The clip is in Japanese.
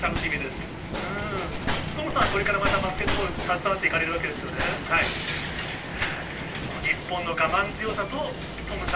トムさん、これからまたバスケットボール、携わっていかれるわけですよね。